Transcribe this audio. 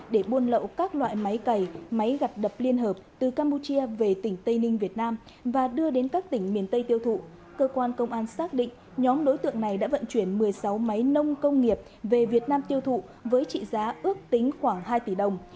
để buôn lậu các loại máy cày máy gặt đập liên hợp từ campuchia về tỉnh tây ninh việt nam và đưa đến các tỉnh miền tây tiêu thụ cơ quan công an xác định nhóm đối tượng này đã vận chuyển một mươi sáu máy nông công nghiệp về việt nam tiêu thụ với trị giá ước tính khoảng hai tỷ đồng